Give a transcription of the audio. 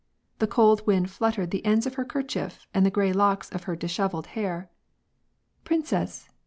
The cold wind fluttered the ends, of her kerchief and the gray locks o^ her dishevelled hair. " Princess